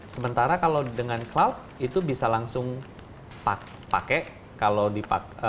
sementara kalau dengan cloud itu bisa langsung pakai